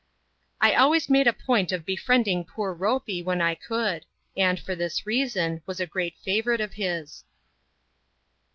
I always made a point of befriending poor Ropey when I could ; and, for this reason, was a great favourite of his.